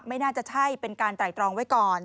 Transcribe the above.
ไม่น่าจะใช่เป็นการไตรตรองไว้ก่อน